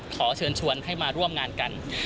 ขอเชิญชวนให้มาร่วมงานกัน